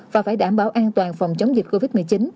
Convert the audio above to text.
và phải đảm bảo an toàn phòng chống dịch covid một mươi chín